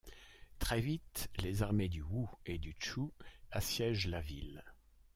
Très vite, les armées du Wu et du Chu assiègent la ville.